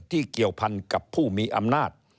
เกี่ยวพันกับผู้มีอำนาจ